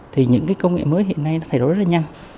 thì những cái công nghệ mới hiện nay nó thay đổi rất là nhanh